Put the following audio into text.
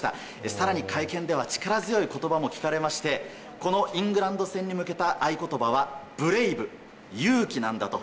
更に会見では力強い言葉も聞かれましてこのイングランド戦に向けた合言葉はブレイブ、勇気なんだと。